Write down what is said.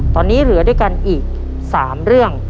ตอนนี้เหลือด้วยกันอีก๓เรื่อง